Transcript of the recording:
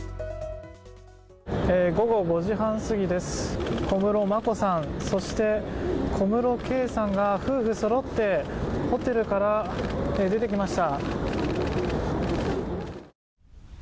午後５時半すぎです、小室眞子さん、そして小室圭さんが夫婦そろってホテルから出てきました。